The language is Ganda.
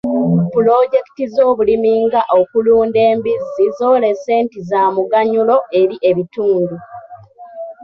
Pulojekiti z'obulimi nga okulunda embizzi zoolese nti za muganyulo eri ebitundu.